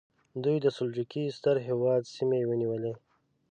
دوی د سلجوقي ستر هېواد سیمې ونیولې.